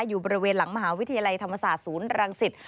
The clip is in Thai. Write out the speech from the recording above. อยู่บริเวณหลังมหาวิทยาลัยธรรมศาสตร์ศูนย์รังสิต